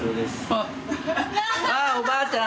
あおばあちゃん。